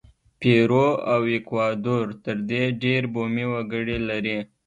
پیرو او ایکوادور تر دې ډېر بومي وګړي لري.